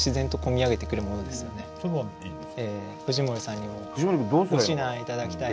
藤森さんにもご指南頂きたい。